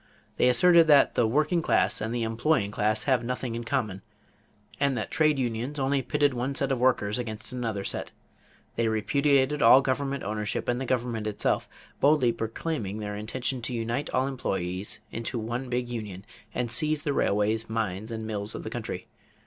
They asserted that the "working class and the employing class have nothing in common" and that trade unions only pitted one set of workers against another set. They repudiated all government ownership and the government itself, boldly proclaiming their intention to unite all employees into one big union and seize the railways, mines, and mills of the country.